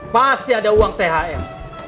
pasti ada uang thm